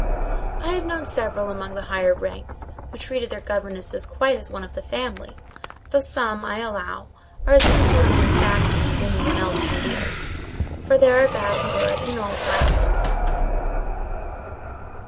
I have known several among the higher ranks who treated their governesses quite as one of the family; though some, I allow, are as insolent and exacting as any one else can be: for there are bad and good in all classes."